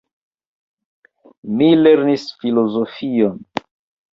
Mi lernis filozofion.